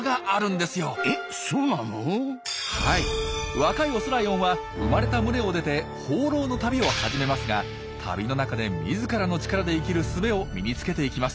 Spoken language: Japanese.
若いオスライオンは生まれた群れを出て放浪の旅を始めますが旅の中で自らの力で生きる術を身につけていきます。